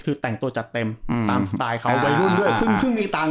คือแต่งตัวจัดเต็มตามสไตล์เขาวัยรุ่นด้วยเพิ่งมีตังค์